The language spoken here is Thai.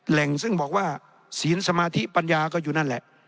แหล่งซึ่งบอกว่าศีลสมาธิปัญญาก็อยู่นั่นแหละ